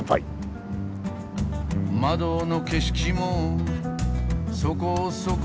「窓の景色もそこそこに」